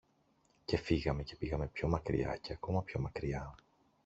και φύγαμε και πήγαμε πιο μακριά, και ακόμα πιο μακριά